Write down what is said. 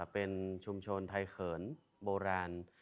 เป็นชุมชนไทยเขินโบราณ